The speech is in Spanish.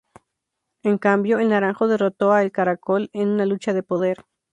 En cambio, El Naranjo derrotó a El Caracol en una lucha de poder.